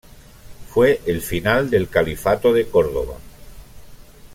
Fue el final del Califato de Córdoba.